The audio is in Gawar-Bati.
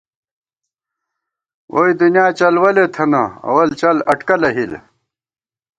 ووئی دُنیا چلوَلے تھنہ ، اول چل اٹکلہ ہِل